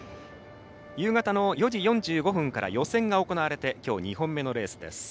夕方の４時４５分から予選が行われてきょう２本目のレースです。